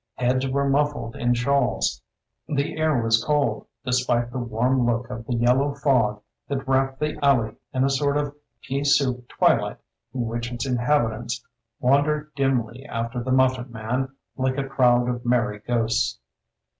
Heads were muffled in shawls. The air was cold, despite the warm look of the yellow fog that wrapped the alley in a sort of pea soup twilight in which its inhabitants wan dered dimly after the muffin man like a crowd of merry ghosts.